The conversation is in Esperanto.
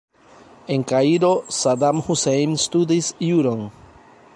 En Kairo Saddam Hussein studis juron.